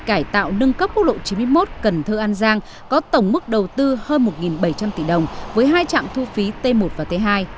cải tạo nâng cấp quốc lộ chín mươi một cần thơ an giang có tổng mức đầu tư hơn một bảy trăm linh tỷ đồng với hai trạm thu phí t một và t hai